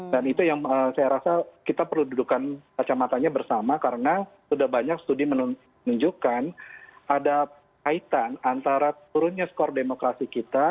dan itu yang saya rasa kita perlu dudukan kacamata nya bersama karena sudah banyak studi menunjukkan ada kaitan antara turunnya skor demokrasi kita